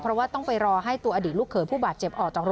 เพราะว่าต้องไปรอให้ตัวอดีตลูกเขยผู้บาดเจ็บออกจากรถ